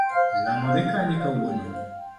lamo dhi kanye kawuono.